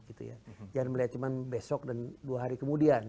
jangan melihat cuma besok dan dua hari kemudian